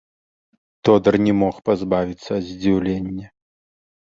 Тодар не мог пазбавіцца ад здзіўлення.